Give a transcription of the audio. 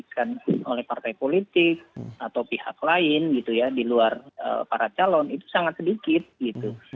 yang disebutkan oleh partai politik atau pihak lain gitu ya di luar para calon itu sangat sedikit gitu